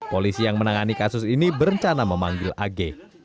polisi yang menangani kasus ini berencana memanggil ag